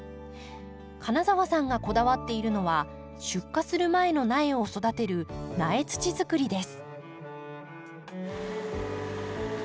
金澤さんがこだわっているのは出荷する前の苗を育てる苗土づくりです。